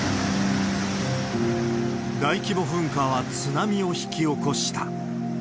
大規模噴火は津波を引き起こした。